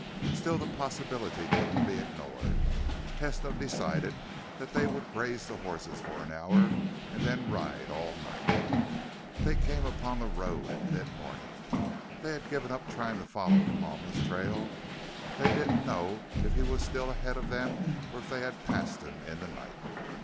Still, the possibility couldn't be ignored. Tesno decided that they would graze the horses for an hour and then ride all night. They came upon the road at midmorning. They had given up trying to follow Palma's trail; they didn't know if he was still ahead of them or if they had passed him in the night.